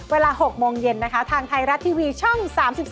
เวลา๖โมงเย็นนะคะทางไทยรัฐทีวีช่อง๓๒